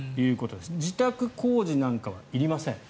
自宅工事なんかはいりません。